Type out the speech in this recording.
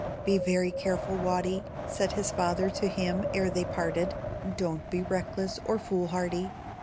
"Be very careful, Watty," said his father to him ere they parted; "don't be reckless or foolhardy."